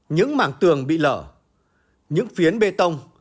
những mảng tường bị lở những phiến bê tông